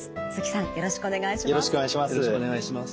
よろしくお願いします。